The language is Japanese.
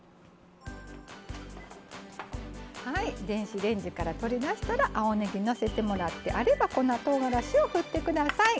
電子レンジから取り出したら青ねぎ、のせてもらってあれば、粉とうがらしを振ってください。